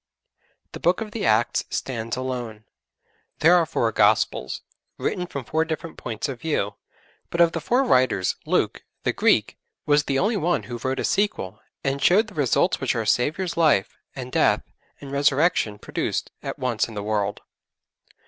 The Book of the Acts stands alone. There are four Gospels written from four different points of view, but of the four writers, Luke, the Greek, was the only one who wrote a sequel and showed the results which our Saviour's Life, and Death, and Resurrection produced at once in the world.